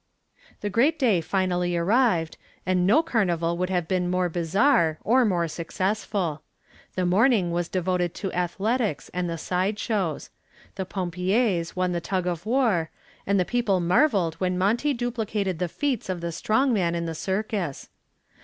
The great day finally arrived, and no carnival could have been more bizarre or more successful. The morning was devoted to athletics and the side shows. The pompiers won the tug of war, and the people marveled when Monty duplicated the feats of the strong man in the circus.